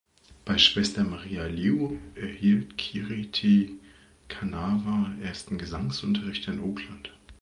Bei Schwester "Maria Leo" erhielt Kiri Te Kanawa ersten Gesangsunterricht in Auckland.